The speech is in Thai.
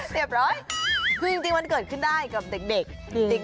เรียบร้อยคือจริงมันเกิดขึ้นได้กับเด็ก